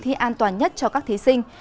thi an toàn nhất cho các thí sinh